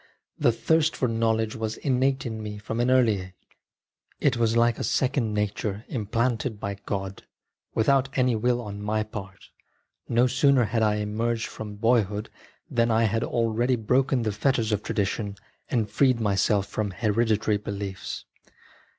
The thirst for know ledge was innate in me from an early age ; it was like a second nature implanted by God, without any will on my part. No sooner had I emerged from boyhood than I had already broken the fetters of tradition and freed myself from heredi / tary beliefs.